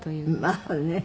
まあね。